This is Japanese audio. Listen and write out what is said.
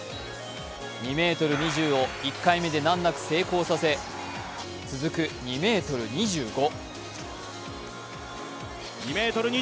２ｍ２０を１回目で難なく成功させ、続く２ｍ２５。